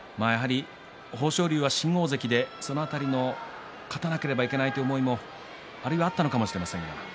豊昇龍は新大関でかなり、勝たなければいけないという思いもあったのかもしれませんが。